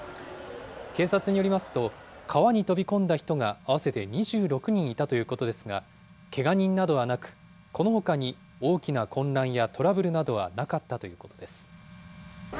警察によりますと、川に飛び込んだ人が合わせて２６人いたということですが、けが人などはなく、このほかに大きな混乱やトラブルなどはなかったということです。